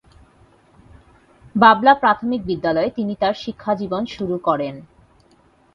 বাবলা প্রাথমিক বিদ্যালয়ে তিনি তার শিক্ষাজীবন শুরু করেন।